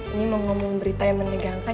ini mau ngomong berita yang menegangkan